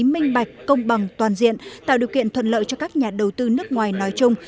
minh bạch công bằng toàn diện tạo điều kiện thuận lợi cho các nhà đầu tư nước ngoài nói chung